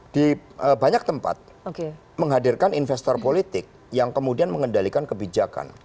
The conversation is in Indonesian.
di banyak tempat menghadirkan investor politik yang kemudian mengendalikan kebijakan